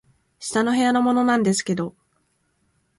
「下の部屋のものなんですけど」